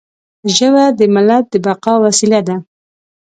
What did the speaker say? ژبه د ملت د بقا وسیله ده.